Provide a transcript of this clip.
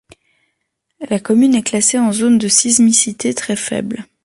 La commune est classée en zone de sismicité très faible.